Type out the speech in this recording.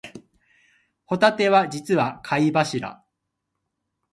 ホタテは実は貝柱